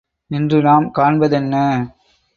இன்று நாம் காண்பதென்ன?